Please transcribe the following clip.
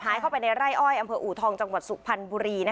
เข้าไปในไร่อ้อยอำเภออูทองจังหวัดสุพรรณบุรี